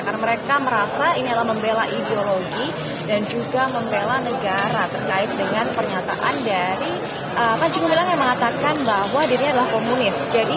karena mereka merasa ini adalah membela ideologi dan juga membela negara terkait dengan pernyataan dari panjegumilang yang mengatakan bahwa dirinya adalah komunis